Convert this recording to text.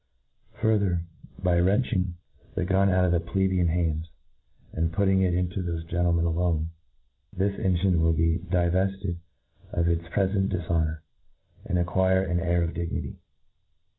Further, by yrencking the gun out of plebeikn hands, and ptitting it into thofe of gentlemen alone, this engine will be ^ivefted oi its prefcnt diihonour, and acquire an air of dignity.